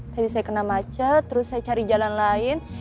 tadi saya kena macet terus saya cari jalan lain